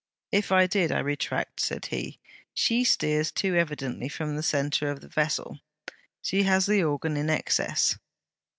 'If I did, I retract,' said he. 'She steers too evidently from the centre of the vessel. She has the organ in excess.'